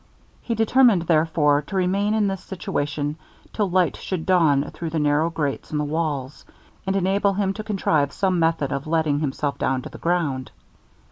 He determined, therefore, to remain in this situation till light should dawn through the narrow grates in the walls, and enable him to contrive some method of letting himself down to the ground.